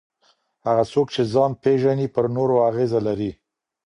هغه څوک چې ځان پېژني پر نورو اغېزه لري.